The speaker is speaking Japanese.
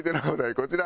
こちら。